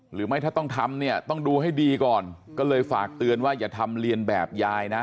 หรือไม่ถ้าต้องทำเนี่ยต้องดูให้ดีก่อนก็เลยฝากเตือนว่าอย่าทำเรียนแบบยายนะ